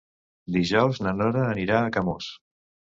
Dijous na Nora anirà a Camós.